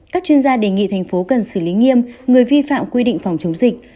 các chuyên gia đề nghị thành phố cần xử lý nghiêm người vi phạm quy định phòng chống dịch